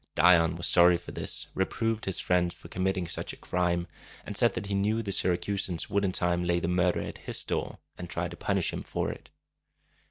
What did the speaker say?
Dion was sorry for this, reproved his friends for committing such a crime, and said that he knew the Syracusans would in time lay the murder at his door, and try to punish him for it.